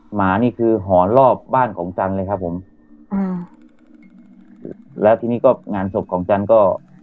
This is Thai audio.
หมานี่คือหอนรอบบ้านของจันเลยครับผมอ่าแล้วทีนี้ก็งานศพของจันก็